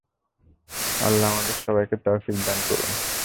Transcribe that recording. আল্লাহ আমাদের সবাইকে তাওফীক দান করুন।